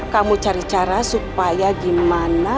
kamu cari cara supaya gimana